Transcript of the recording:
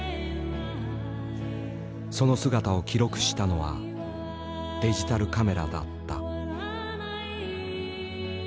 その姿を記録したのはデジタルカメラだった。